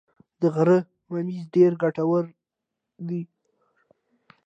د غره ممیز ډیر ګټور دي